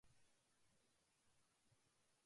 今もあなたに逢いたくて